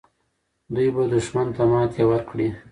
دوی به دښمن ته ماتې ورکړي.